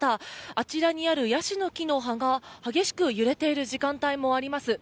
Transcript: あちらにあるヤシの木の葉が激しく揺れている時間帯もあります。